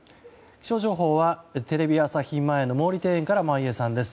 気象情報はテレビ朝日前の毛利庭園から眞家さんです。